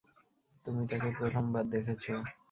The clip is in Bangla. তুমি তাকে প্রথমবার দেখেছ।